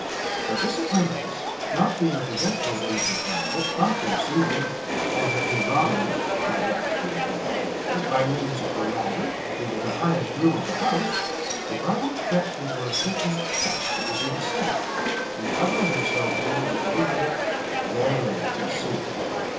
But this acquaintance, not being foigelfol c^ ancient friendship, promptly received him, and having drawn [ me (my legs being folded together), by means of a ladder, into k J GOLDEN ASS, OF APULEIUS. — BOOK IX. 1 67 the highest room of the house, the gardener crept into a certain chest that was in the cellar, and, covering himself over with the lid of it, there lay* concealed.